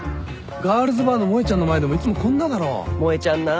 ガールズバーのもえちゃんの前でもいつもこんなだろ？もえちゃんな。